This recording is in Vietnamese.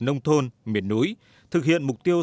nông thôn miền núi thực hiện mục tiêu